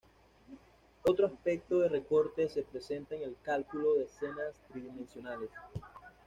Otro aspecto de "recorte" se presenta en el cálculo de escenas tridimensionales.